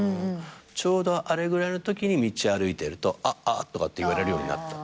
ちょうどあれぐらいのときに道歩いてると「あっ！あっ！」とかって言われるようになった。